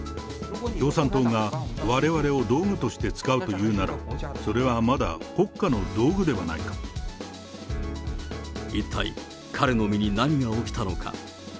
共産党がわれわれを道具として使うというなら、一体、彼の身に何が起きたのか。